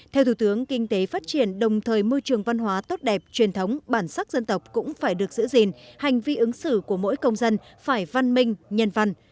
theo thủ tướng kinh tế phát triển đồng thời môi trường văn hóa tốt đẹp truyền thống bản sắc dân tộc cũng phải được giữ gìn hành vi ứng xử của mỗi công dân phải văn minh nhân văn